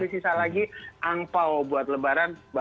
sisa lagi angpao buat lebaran